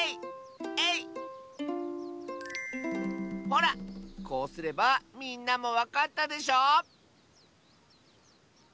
ほらこうすればみんなもわかったでしょ？